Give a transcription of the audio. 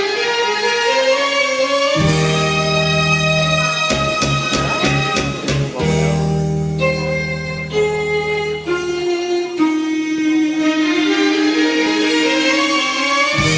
ไม่รู้นะคะเพลงอะไร